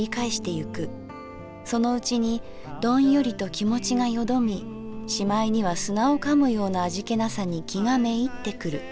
そのうちにドンヨリと気持がよどみしまいには砂を噛むような味気なさに気がめいってくる。